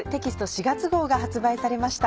４月号が発売されました。